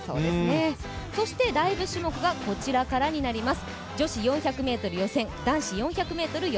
そして、ライブ種目がこちらからになります。